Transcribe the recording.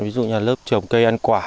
ví dụ như là lớp trồng cây ăn quả